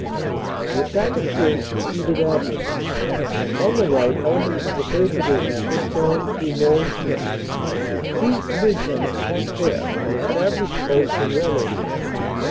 The attack at first succeeded admirably. On the right ele ments of the 3rd. Division pushed on through Morenchies, seized the bridgehead at Pont d Aire and established posts in Ramillies.